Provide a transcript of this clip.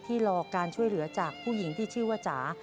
รอการช่วยเหลือจากผู้หญิงที่ชื่อว่าจ๋า